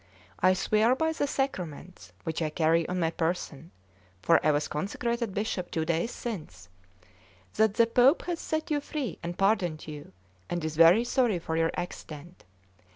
I swear by the sacraments which I carry on my person (for I was consecrated Bishop two days since) that the Pope has set you free and pardoned you, and is very sorry for your accident.